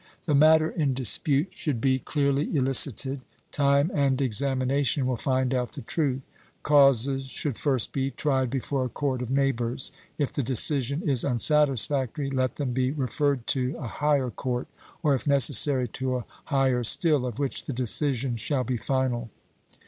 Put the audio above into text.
The matter in dispute should be clearly elicited; time and examination will find out the truth. Causes should first be tried before a court of neighbours: if the decision is unsatisfactory, let them be referred to a higher court; or, if necessary, to a higher still, of which the decision shall be final.